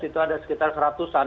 itu ada sekitar seratusan